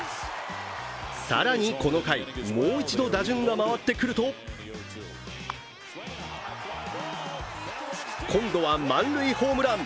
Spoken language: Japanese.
更にこの回、もう一度、打順が回ってくると今度は満塁ホームラン。